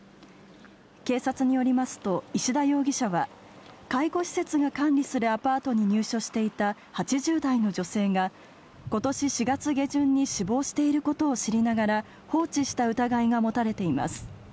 警察によりますと、石田容疑者は介護施設が管理するアパートに入所していた８０代の女性が、ことし４月下旬に死亡していることを知りながら、放置した疑いが持たれています。